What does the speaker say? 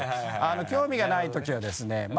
興味がないときはですね